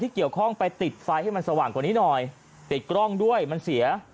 เกี่ยวข้องไปติดไฟให้มันสว่างกว่านี้หน่อยติดกล้องด้วยมันเสีย